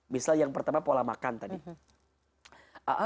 misal yang pertama pola makan tadi